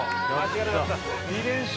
２連勝。